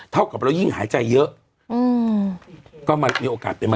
เท่ากับเรายิ่งหายใจเยอะอืมก็มันมีโอกาสเป็นมะเร็งเยอะ